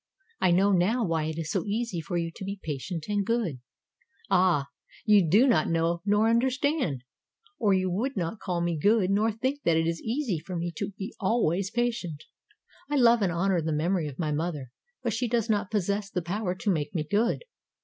I know now why it is so easy for you to be patient and good." "Ah! you do not know nor understand, or you would not call me good nor think that it is easy for me to be always patient. I love and honor the memory of my mother, but she does not possess the power to make me good.